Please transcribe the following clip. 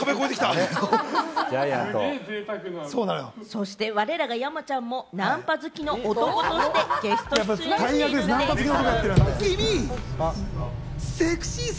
そして、我らが山ちゃんもナンパ好きの男としてゲスト出演しているんでぃす。